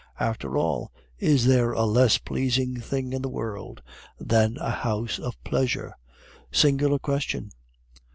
After all, is there a less pleasing thing in the world than a house of pleasure? Singular question!